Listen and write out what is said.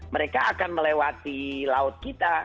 mereka akan melewati laut kita